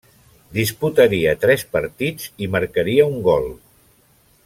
Disputaria tres partits i marcaria un gol.